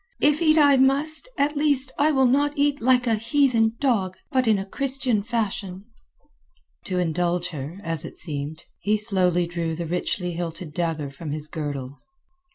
If eat I must, at least I will not eat like a heathen dog, but in Christian fashion." To indulge her, as it seemed, he slowly drew the richly hilted dagger from his girdle.